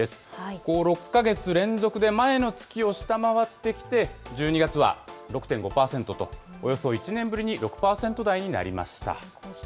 ここ６か月連続で前の月を下回ってきて、１２月は６．５％と、およそ１年ぶりに６％台になりました。